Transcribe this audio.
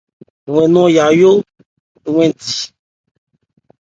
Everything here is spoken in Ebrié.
Wɛ́n nɔn Yayó 'wɛn di.